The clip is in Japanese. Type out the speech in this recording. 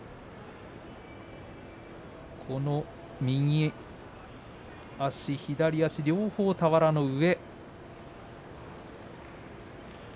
右足、左足、両方俵の上。